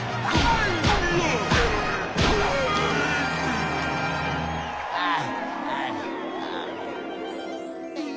ああ。